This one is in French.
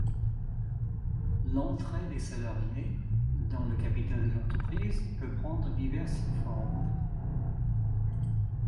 L'entrée des salariés dans le capital de l'Entreprise peut prendre diverses formes.